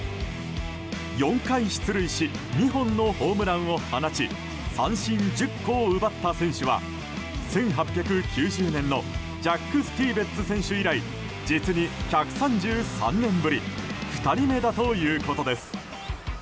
４回出塁し２本のホームランを放ち三振１０個を奪った選手は１８９０年のジャック・スティベッツ選手以来実に１３３年ぶり２人目だということです。